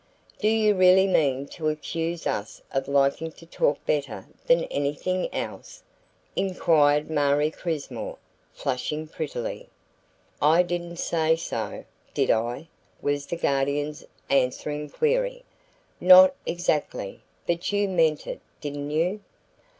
"Do you really mean to accuse us of liking to talk better than anything else?" inquired Marie Crismore, flushing prettily. "I didn't say so, did I?" was the Guardian's answering query. "Not exactly. But you meant it, didn't you?"